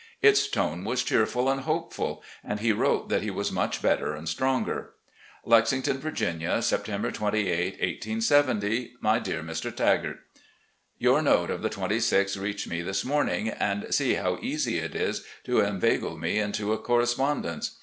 Its tone was cheerful and hopeful, and he ■wrote that he was much better and stronger. " Lexington, Virginia, September 28, 1870. "My Dear Mr. Tagart: Your note of the 26th reached me this morning, and see how easy it is 'to inveigle me in^to a correspondence.